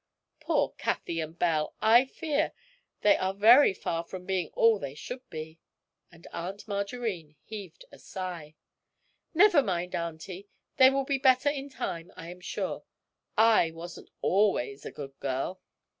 Poor Cathie and Belle, I fear they are very far from being all they should be!' and Aunt Margarine heaved a sigh. 'Never mind, auntie; they will be better in time, I am sure. I wasn't always a good girl.'